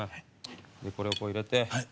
これをこう入れて。